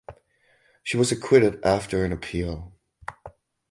She was acquitted after an appeal.